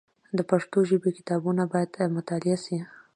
د پښتو ژبي کتابونه باید مطالعه سي.